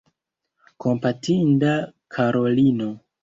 Kompatinda Karolino!